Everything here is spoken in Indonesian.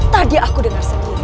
tadi aku dengar sendiri